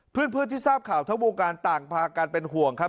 เพื่อนที่ทราบข่าวทั้งวงการต่างพากันเป็นห่วงครับ